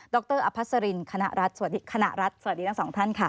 ดรอภัษรินขณะรัฐสวัสดีทั้งสองท่านค่ะ